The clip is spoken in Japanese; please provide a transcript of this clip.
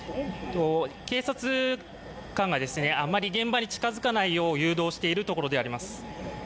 警察官があまり現場に近付かないよう誘導しているところであります。